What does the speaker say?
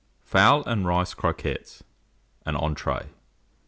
FOWL AND RICE CROQUETTES (an Entree).